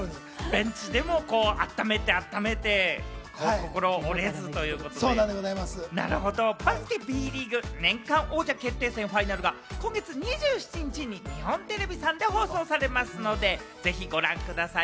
ベンチでもあっためて、あっためて、心折れずということで、バスケ・Ｂリーグ、年間王者決定戦ファイナルは今月２７日に日本テレビさんで放送されますので、ぜひご覧ください。